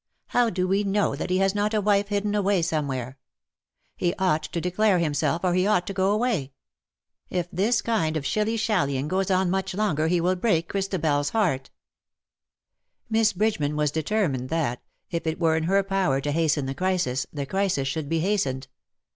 How do we know that he has not a wife hidden away somewhere ? He ought to declare himself^ or he ought to go away ! If this kind of shillyshallying goes on much longer he will break Christabers heart." FROM WINTRY COLD." 105 Miss Bridgeman was determined that, if it were in her power to hasten the crisis^ the crisis should be hastened.